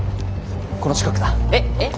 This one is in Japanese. この近くだ。え？え？